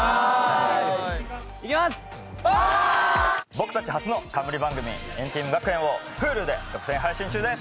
僕たち初の冠番組『＆ＴＥＡＭ学園』をＨｕｌｕで独占配信中です！